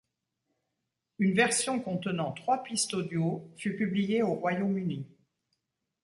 Une version contenant trois pistes audios fut publiée au Royaume-Uni.